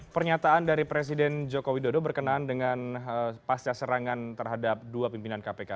pernyataan dari presiden joko widodo berkenaan dengan pasca serangan terhadap dua pimpinan kpk